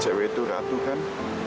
cerewet itu ratu kan